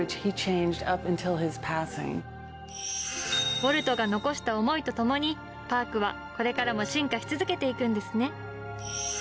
ウォルトが遺した思いとともにパークはこれからも進化し続けて行くんですね。